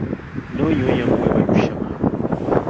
ni o nya o ni yɛn boli ba yu’ shɛŋa.